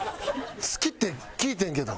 「好き」って聞いてんけど。